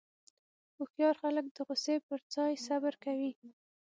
هوښیار خلک د غوسې پر ځای صبر کوي.